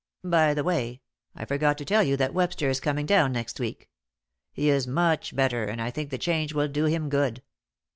"By the way, I forgot to tell you that Webster is coming down next week. He is much better, and I think the change will do him good."